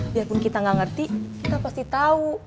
biarpun kita gak ngerti kita pasti tahu